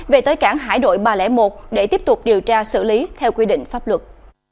về tới cảng hải đội ba trăm linh một để tiếp tục điều tra xử lý theo quy định pháp luật